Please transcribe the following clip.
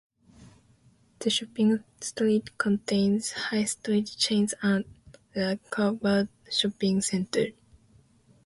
The shopping street contains high street chains and a covered shopping centre.